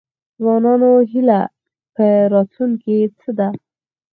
د ځوانانو هیله په راتلونکي څه ده؟